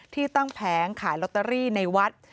ที่ตั้งแผงขายลอตเตอรี่ในวัด